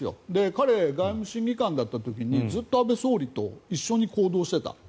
彼は外務審議官だった時にずっと安倍総理と一緒に行動していた。